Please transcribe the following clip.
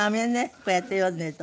こうやって読んでいると。